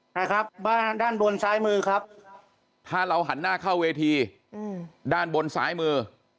นะครับบ้านด้านบนซ้ายมือครับถ้าเราหันหน้าเข้าเวทีด้านบนซ้ายมือ